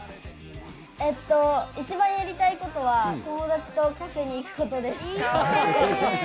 一番やりたいことは、友達とカフェに行くことです。